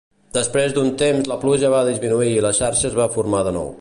Després d'un temps la pluja va disminuir i la xarxa es va formar de nou.